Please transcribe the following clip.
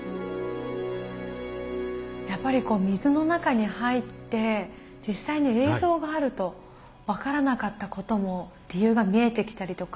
やっぱり水の中に入って実際に映像があると分からなかったことも理由が見えてきたりとか。